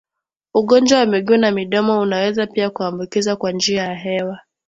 Ugonjwa wa miguu na midomo unaweza pia kuambukizwa kwa njia ya hewa